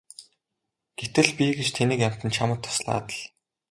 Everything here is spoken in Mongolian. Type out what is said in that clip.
Гэтэл би гэж тэнэг амьтан чамд туслаад л!